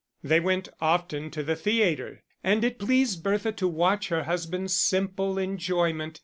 They went often to the theatre, and it pleased Bertha to watch her husband's simple enjoyment.